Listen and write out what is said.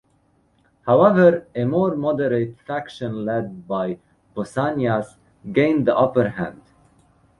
However, a more moderate faction led by Pausanias gained the upper hand.